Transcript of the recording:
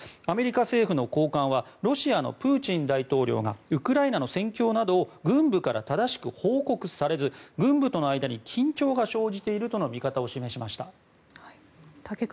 アメリカ政府の高官はロシアのプーチン大統領がウクライナの戦況などを軍部から正しく報告されず軍部との間に緊張が生じているとの見方を示しました。